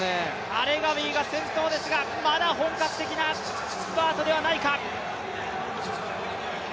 アレガウィが先頭ですが、まだ本格的なスパートではないか。